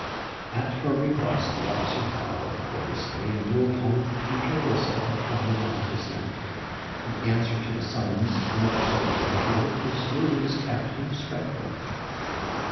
At her request the officer bowed courteously and blew upon a pewter whistle that hung around his neck. In answer to the summons another soldier appeared, who saluted his Captain respectfully.